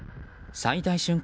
最大瞬間